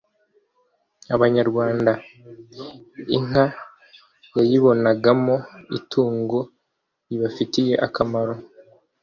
abanyarwanda, inka bayibonagamo itungo ribafitiye akamaro